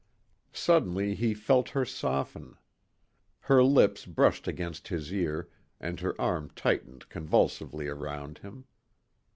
Suddenly he felt her soften. Her lips brushed against his ear and her arm tightened convulsively around him.